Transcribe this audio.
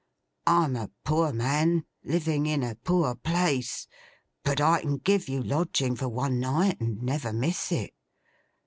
I'm a poor man, living in a poor place; but I can give you lodging for one night and never miss it.